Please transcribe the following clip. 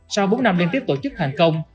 sau bốn năm liên tiếp tổ chức thành công